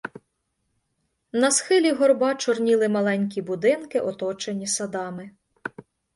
На схилі горба чорніли маленькі будинки, оточені садами.